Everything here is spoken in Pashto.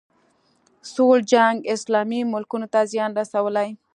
سوړ جنګ اسلامي ملکونو ته زیان رسولی